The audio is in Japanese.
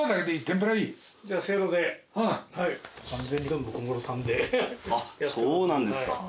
あっそうなんですか。